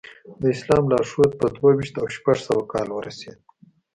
د اسلام لارښود په دوه ویشت او شپږ سوه کال ورسېد.